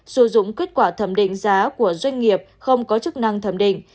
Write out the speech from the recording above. sử dụng kết quả thẩm định giá của doanh nghiệp không có chức năng thẩm định